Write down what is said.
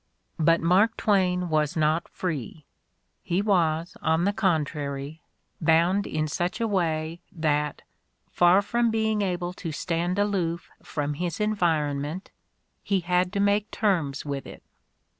But Mark Twain was not free; he was, on the contrary, bound in such a way that, far from being able to stand aloof from his environment, he had to make terms with it.